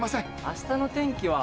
明日の天気は？